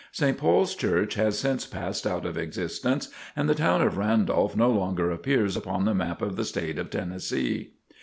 St Paul's Church has since passed out of existence, and the town of Randolph no longer appears upon the map of the State of Tennessee.